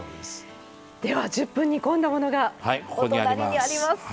では１０分煮込んだものがお隣にあります。